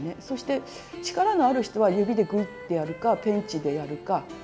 そして力のある人は指でグイッてやるかペンチでやるか。